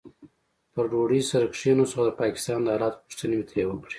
پر ډوډۍ سره کښېناستو او د پاکستان د حالاتو پوښتنې مې ترې وکړې.